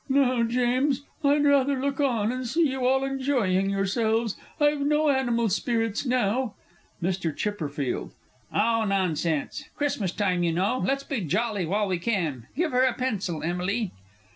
No, James, I'd rather look on, and see you all enjoying yourselves I've no animal spirits now! MR. C. Oh, nonsense! Christmas time, you know. Let's be jolly while we can give her a pencil, Emily!